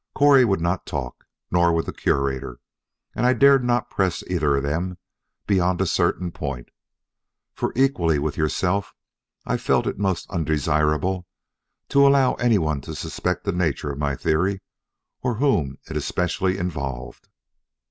Correy would not talk; nor would the Curator; and I dared not press either of them beyond a certain point, for equally with yourself, I felt it most undesirable to allow anyone to suspect the nature of my theory or whom it especially involved.